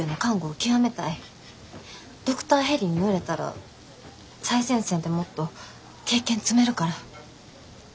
ドクターヘリに乗れたら最前線でもっと経験積めるから。